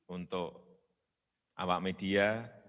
untuk awak media